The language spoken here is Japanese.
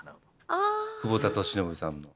久保田利伸さんの。